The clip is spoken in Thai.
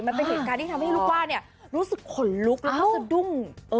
มันเป็นเหตุการณ์ที่ทำให้ลูกบ้านเนี่ยรู้สึกขนลุกแล้วก็สะดุ้ง